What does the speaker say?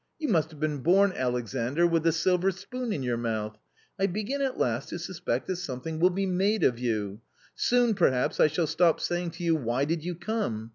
You must have been born, Alexandr, with a silver spoon in your mouth. I begin at last to suspect that something will be made of you ; soon perhaps I shall stop saying to you, * Why did you come